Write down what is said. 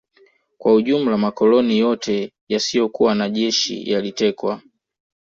Kwa ujumla makoloni yote yasiyokuwa na jeshi yalitekwa